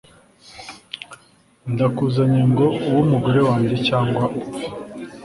ndakuzanye ngo ube umugore wanjye cyangwa upfe